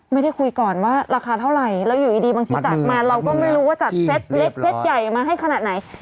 ไม่ได้คุยก่อนว่าราคาเท่าไหร่แล้วอยู่ดีบางทีจัดมาเราก็ไม่รู้ว่าจัดเซตเล็กเซตใหญ่มาให้ขนาดไหน